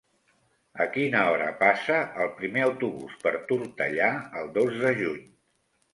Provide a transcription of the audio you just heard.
A quina hora passa el primer autobús per Tortellà el dos de juny?